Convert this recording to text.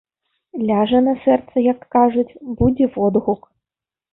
Ляжа на сэрца, як кажуць, будзе водгук.